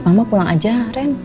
mama pulang aja ren